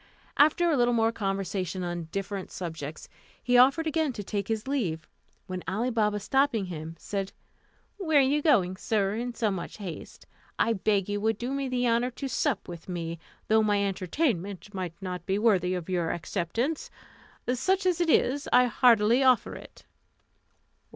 After a little more conversation on different subjects, he offered again to take his leave, when Ali Baba, stopping him, said, "Where are you going, sir, in so much haste? I beg you would do me the honour to sup with me, though my entertainment may not be worthy your acceptance; such as it is, I heartily offer it."